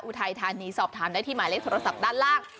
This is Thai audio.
อุทัยธานีสอบถามได้ที่หมายเลขโทรศัพท์ด้านล่าง